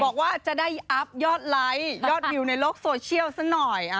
บอกว่าจะได้อัพยอดไลค์ยอดวิวในโลกโซเชียลซะหน่อย